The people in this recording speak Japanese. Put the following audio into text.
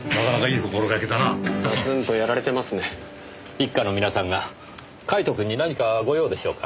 一課の皆さんがカイトくんに何かご用でしょうか？